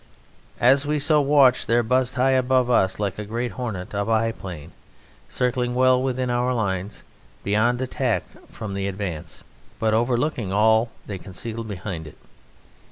As we so watched there buzzed high above us, like a great hornet, a biplane, circling well within our lines, beyond attack from the advance, but overlooking all they concealed behind it.